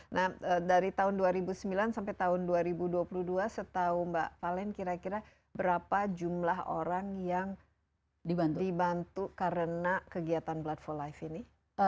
nah dari tahun dua ribu sembilan sampai tahun dua ribu dua puluh dua setahu mbak valen kira kira berapa jumlah orang yang dibantu karena kegiatan blood for life ini